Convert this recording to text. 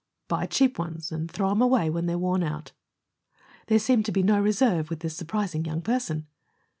"Buy cheap ones and throw 'em away when they're worn out." There seemed to be no reserve with this surprising young person.